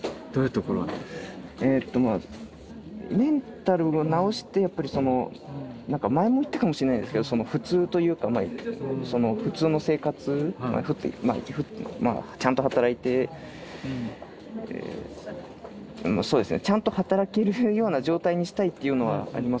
えっとまあメンタルを治してやっぱりそのなんか前も言ったかもしれないんですけど普通というか普通の生活まあちゃんと働いてそうですねちゃんと働けるような状態にしたいっていうのはありますけど。